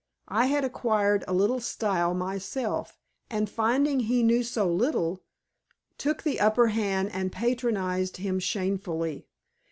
I had acquired a little style myself, and finding he knew so little, took the upper hand and patronized him shamefully.